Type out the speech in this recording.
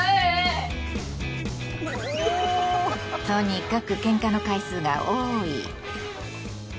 とにかくケンカの回数が多い。